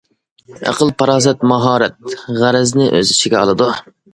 ئەقىل-پاراسەت ماھارەت، غەرەزنى ئۆز ئىچىگە ئالىدۇ.